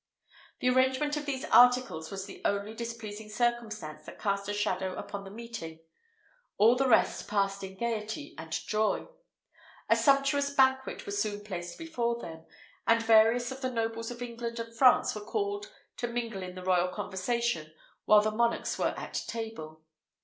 The arrangement of these articles was the only displeasing circumstance that cast a shadow upon the meeting: all the rest passed in gaiety and joy. A sumptuous banquet was soon placed before them, and various of the nobles of England and France were called to mingle in the royal conversation while the monarchs were at table.